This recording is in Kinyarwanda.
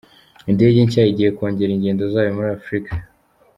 Indege nshya igiye kongera ingendo zayo muri Afurika